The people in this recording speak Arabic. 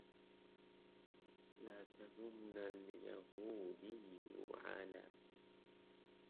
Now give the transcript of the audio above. لا تلومن اليهودي على